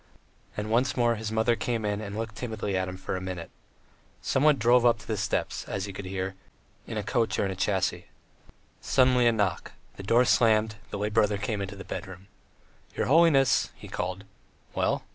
And once more his mother came in and looked timidly at him for a minute. Someone drove up to the steps, as he could hear, in a coach or in a chaise. Suddenly a knock, the door slammed, the lay brother came into the bedroom. "Your holiness," he called. "Well?"